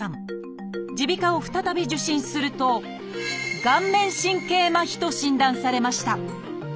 耳鼻科を再び受診するとと診断されました。